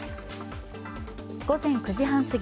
午前９時半すぎ